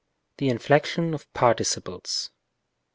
The inflection of participles.